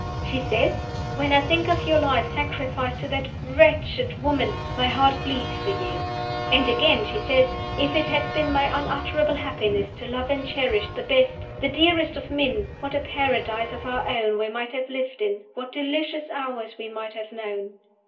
She says, "When I think of your life sacrificed to that wretched woman, my heart bleeds for you." And, again, she says, "If it had been my unutterable happiness to love and cherish the best, the dearest of men, what a paradise of our own we might have lived in, what delicious hours we might have known!"